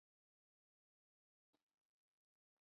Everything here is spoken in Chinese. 其兄刘雨凯也是演员与模特儿。